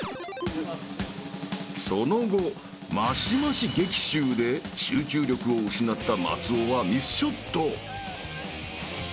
［その後マシマシ激臭で集中力を失った松尾はミスショット］